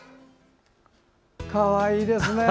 かわいいですね！